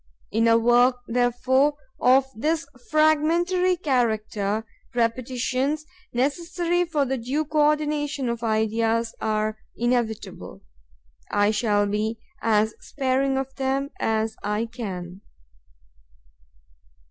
In a work, therefore, of this fragmentary character, repetitions, necessary for the due co ordination of ideas, are inevitable. I shall be as sparing of them as I can.